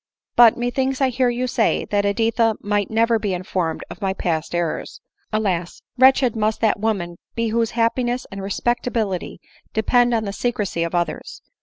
"But methinks I hear you say, that Editha might never be informed of my past errors. Alas ! wretched must that woman be whose happiness and respectability depend on the secrecy of others